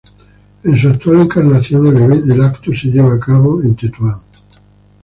En su actual encarnación, el evento se lleva a cabo en Tetuán.